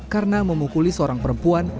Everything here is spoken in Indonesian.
karena memukuli seorang perempuan